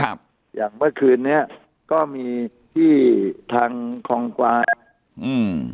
ครับอย่างเมื่อคืนนี้ก็มีที่ทางอืม